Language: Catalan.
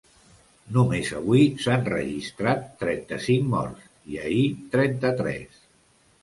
Només avui s’han registrat trenta-cinc morts i ahir, trenta-tres.